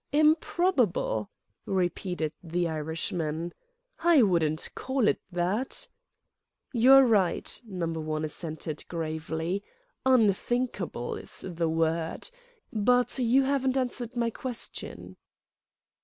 "Improbable?" repeated the Irishman. "I wouldn't call it that." "You are right," Number One assented, gravely: "unthinkable is the word. But you haven't answered my question."